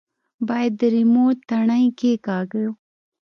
بايد د ريموټ تڼۍ کښېکاږو.